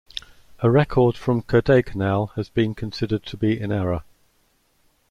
A record from Kodaikanal has been considered to be in error.